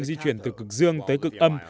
di chuyển từ cực dương tới cực âm